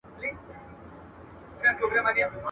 دا کار ډېر دقت او حوصلې ته اړتیا لري.